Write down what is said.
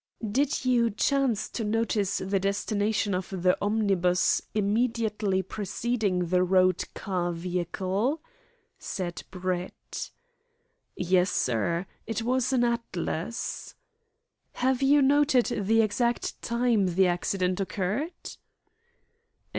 "Did you chance to notice the destination of the omnibus immediately preceding the Road Car vehicle?" said Brett. "Yes, sir. It was an Atlas." "Have you noted the exact time the accident occurred?"